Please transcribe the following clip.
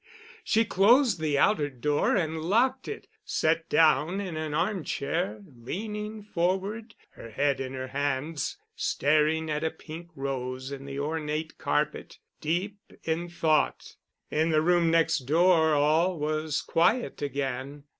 She closed the outer door and locked it, sat down in an armchair, leaning forward, her head in her hands, staring at a pink rose in the ornate carpet, deep in thought. In the room next door all was quiet again.